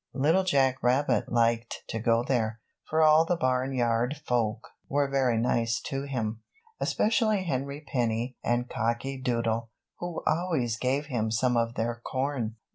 Little Jack Rabbit liked to go there, for all the Barnyard Folk were very nice to him, especially Henny Penny and Cocky Doodle, who always gave him some of their corn.